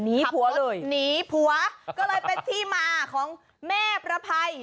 ผัวเลยหนีผัวก็เลยเป็นที่มาของแม่ประภัย